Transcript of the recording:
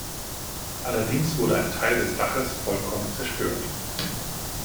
Allerdings wurde ein Teil des Daches vollkommen zerstört.